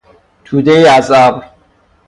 تودهای از ابر